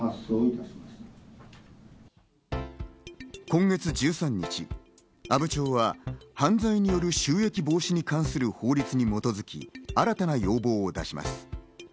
今月１３日、阿武町は犯罪による収益防止に関する法律に基づき、新たな要望を出します。